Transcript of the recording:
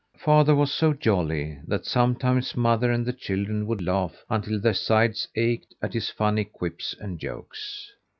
Father was so jolly that sometimes mother and the children would laugh until their sides ached at his funny quips and jokes.